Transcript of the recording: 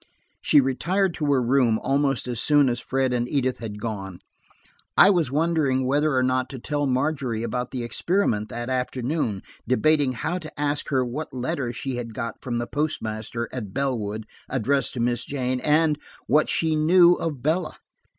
She retired to her room almost as soon as Fred and Edith had gone. I was wondering whether or not to tell Margery about the experiment that afternoon; debating how to ask her what letters she had got from the postmaster at Bellwood addressed to Miss Jane, and what she knew of Bella.